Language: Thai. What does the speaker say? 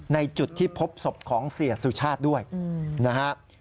ในจุดที่พบศพของเสียสุชาติด้วยนะฮะ